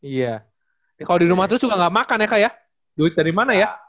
iya kalau di rumah terus juga nggak makan ya kak ya duit dari mana ya